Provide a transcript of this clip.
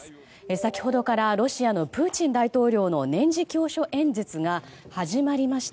先ほどからロシアのプーチン大統領の年次教書演説が始まりました。